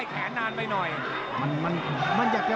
แล้วทีมงานน่าสื่อ